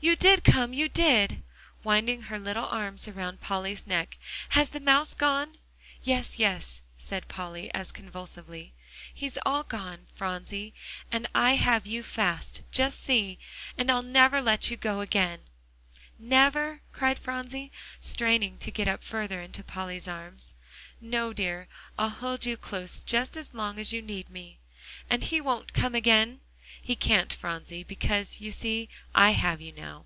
"You did come you did!" winding her little arms around Polly's neck. "Has the mouse gone?" "Yes, yes," said Polly as convulsively; "he's all gone, Phronsie, and I have you fast; just see. And I'll never let you go again." "Never?" cried Phronsie, straining to get up further into Polly's arms. "No dear; I'll hold you close just as long as you need me." "And he won't come again?" "He can't Phronsie; because, you see, I have you now."